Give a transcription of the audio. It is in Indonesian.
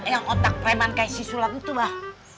yang otak pereman kayak si sulam itu mbah